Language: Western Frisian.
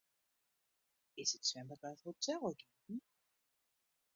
Is it swimbad by it hotel ek iepen?